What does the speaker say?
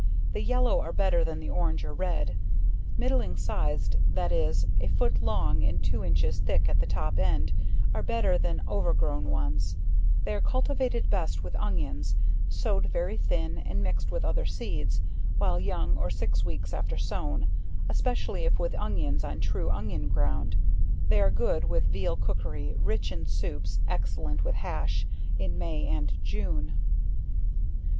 The yellow are better than the orange or red; middling fiz'd, that is, a foot long and two inches thick at the top end, are better than over grown ones; they are cultivated best with onions, sowed very thin, and mixed with other seeds, while young or six weeks after sown, especially if with onions on true onion ground. They are good with veal cookery, rich in soups, excellent with hash, in May and June.